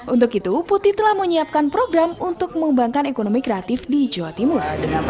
untuk itu putih telah menyiapkan program untuk mengembangkan ekonomi kreatif di jawa timur